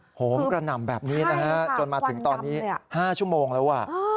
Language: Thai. โหมกระหน่ำแบบนี้นะฮะจนมาถึงตอนนี้๕ชั่วโมงแล้ว